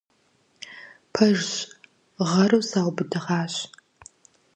Пэжщ, гъэру саубыдыгъащ.